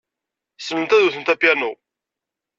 Ssnent ad wtent apyanu.